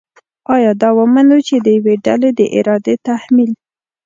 آیا دا ومنو چې د یوې ډلې د ارادې تحمیل